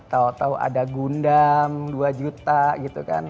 tau tau ada gundam dua juta gitu kan